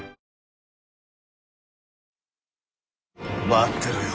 待ってろよ